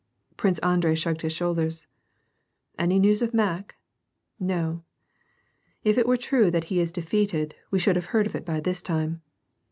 Prince Andrei shrugged his shoulders. "Any news of Mack ?" "No." "If it were true that he is defeated, we should have heard of it by this time."